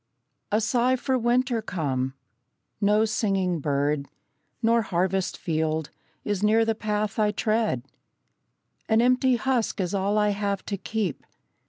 A sigh for winter come. No singing bird, Nor harvest field, is near the path I tread; An empty husk is all I have to keep.